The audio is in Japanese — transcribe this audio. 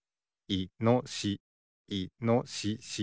いのしし。